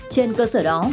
trên cơ sở đó